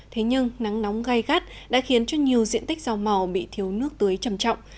thế nhưng nắng nóng gai gắt đã khiến cho nhiều diện tích rau màu bị thiếu nước tưới trầm trọng